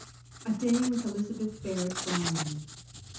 A DAY WITH ELIZABETH BAEEETT BKOWNING.